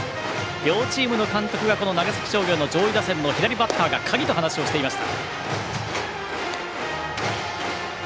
両チームの監督が長崎商業の上位打線の左バッターが鍵と話をしていました。